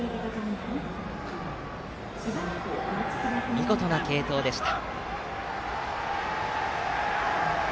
見事な継投でした。